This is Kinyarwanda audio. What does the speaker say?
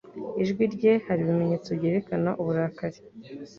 Ijwi rye hari ibimenyetso byerekana uburakari.